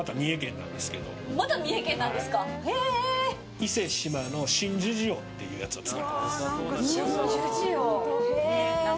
伊勢志摩の真珠塩というやつを使ってます。